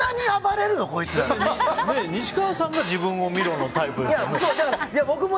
西川さんが自分を見ろのタイプですからね。